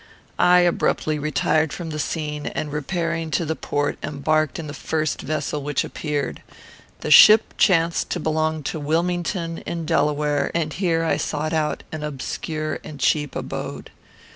I abruptly retired from the scene, and, repairing to the port, embarked in the first vessel which appeared. The ship chanced to belong to Wilmington, in Delaware, and here I sought out an obscure and cheap abode.